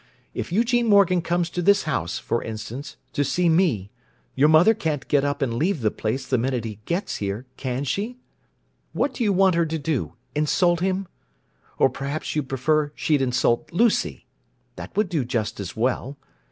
If Eugene Morgan comes to this house, for instance, to see me, your mother can't get up and leave the place the minute he gets here, can she? What do you want her to do: insult him? Or perhaps you'd prefer she'd insult Lucy? That would do just as well.